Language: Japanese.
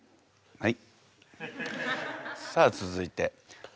はい。